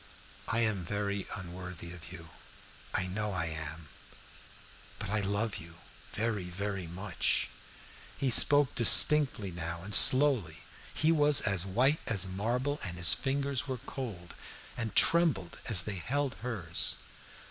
"I am very unworthy of you I know I am but I love you very, very much." He spoke distinctly enough now, and slowly. He was as white as marble, and his fingers were cold, and trembled as they held hers.